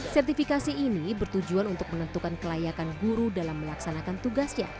sertifikasi ini bertujuan untuk menentukan kelayakan guru dalam melaksanakan tugasnya